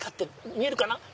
見えるかな？